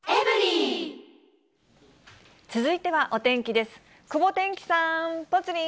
続いてはお天気です。